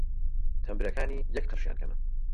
تەمبرەکانی یەک قرشیان کەمە!